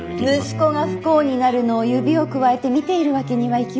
息子が不幸になるのを指をくわえて見ているわけにはいきません。